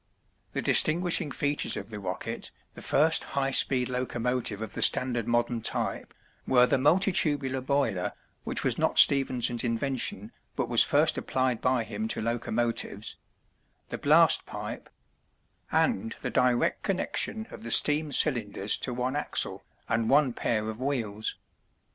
The distinguishing features of the Rocket, the first high speed locomotive of the standard modern type, were the multitubular boiler, which was not Stephenson's invention, but was first applied by him to locomotives; the blast pipe; and the direct connection of the steam cylinders to one axle, and one pair of wheels.